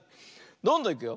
どんどんいくよ。